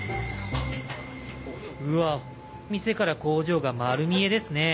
うわっ店から工場が丸見えですね。